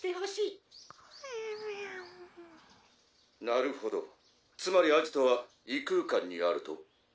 「なるほどつまりアジトは異空間にあると？」